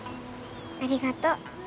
ありがとう。